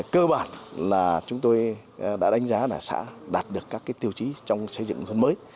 cơ bản là chúng tôi đã đánh giá là xã đạt được các tiêu chí trong xây dựng nông thôn mới